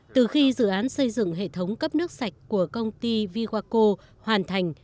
từ khi dự án xây dựng hệ thống cấp nước sạch của công ty vywaco hoàn thành